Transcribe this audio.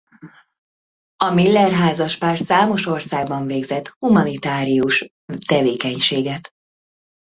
A Miller házaspár számos országban végzett humanitárius tevékenységet.